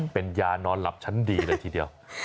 เป็นยานอนหลับชั้นดีเลยทีเดียว